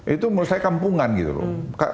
itu menurut saya kampungan gitu loh